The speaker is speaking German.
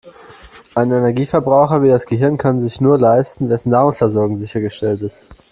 Einen Energieverbraucher wie das Gehirn kann sich nur leisten, wessen Nahrungsversorgung sichergestellt ist.